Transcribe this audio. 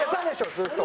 ずっと。